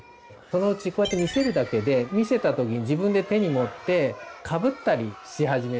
そのうちこうやって見せるだけで見せた時に自分で手に持ってかぶったりし始める。